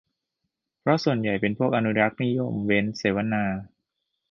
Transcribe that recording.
เพราะส่วนใหญ่เป็นพวกอนุรักษ์นิยม เว้น เสวนา